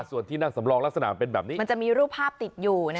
ส่วนที่นั่งสำรองลักษณะเป็นแบบนี้มันจะมีรูปภาพติดอยู่